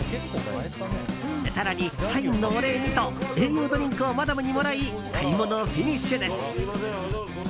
更にサインのお礼にと栄養ドリンクをマダムにもらい買い物フィニッシュです。